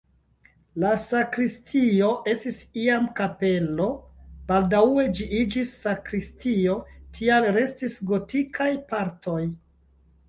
La sakristio estis iam kapelo, baldaŭe ĝi iĝis sakristio, tial restis gotikaj partoj.